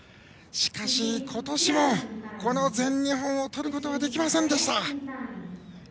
しかし、今年もこの全日本をとることはできませんでした。